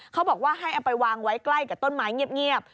เขาบอกว่าให้เอาไปวางไว้ใกล้กับต้นไม้เงียบ